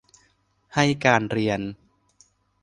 ให้การเรียน